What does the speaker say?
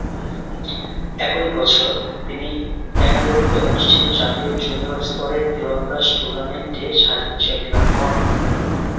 একই বছর, তিনি বেঙ্গালুরুতে অনুষ্ঠিত জাতীয় জুনিয়র স্তরের তীরন্দাজ টুর্নামেন্টে সার্বিক চ্যাম্পিয়ন হন।